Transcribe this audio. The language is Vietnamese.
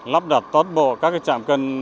lắp đặt tốt bộ các cái trạm cân